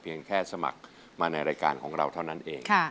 แค่สมัครมาในรายการของเราเท่านั้นเอง